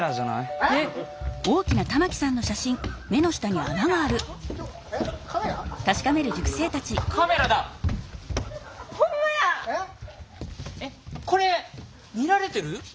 えっこれ見られてる？